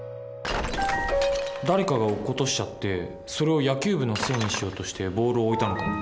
誰かが落っことしちゃってそれを野球部のせいにしようとしてボールを置いたのかも。